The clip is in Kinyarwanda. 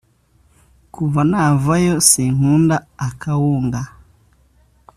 Kuva navayo sinkunda akawunga